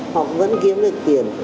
họ vẫn kiếm được tiền